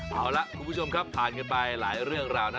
เอาล่ะคุณผู้ชมครับผ่านกันไปหลายเรื่องราวนะ